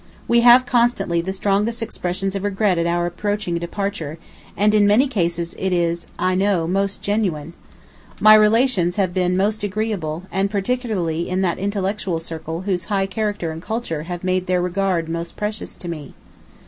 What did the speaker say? We have constantly the strongest expressions of regret at our approaching departure, and in many cases it is, I know, most genuine. My relations here have been most agreeable, and particularly in that intellectual circle whose high character and culture have made their regard most precious to me.